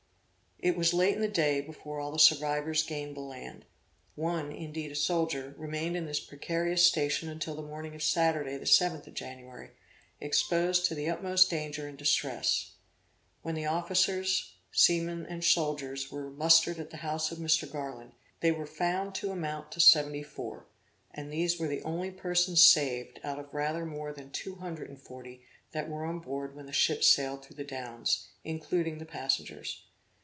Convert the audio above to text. It was late in the day before all the survivors gained the land; one indeed a soldier, remained in this precarious station until the morning of Saturday the 7th of January; exposed to the utmost danger and distress. When the officers, seamen and soldiers, were mustered at the house of Mr. Garland, they were found to amount to seventy four; and these were the only persons saved out of rather more than two hundred and forty that were on board when the ship sailed through the Downs, including the passengers.